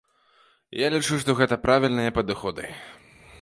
Я лічу, што гэта правільныя падыходы.